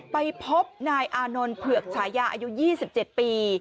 ไปพบนายอานนท์เผือกฉายาอายุ๒๗ปี